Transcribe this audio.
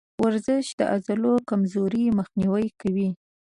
ورزش د عضلو کمزوري مخنیوی کوي.